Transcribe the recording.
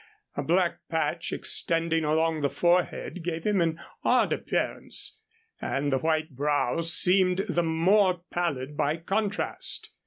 A black patch extending along the forehead gave him an odd appearance, and the white brow seemed the more pallid by contrast.